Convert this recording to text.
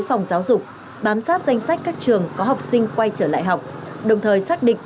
phòng giáo dục bám sát danh sách các trường có học sinh quay trở lại học đồng thời xác định